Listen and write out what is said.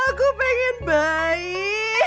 aku pengen bayi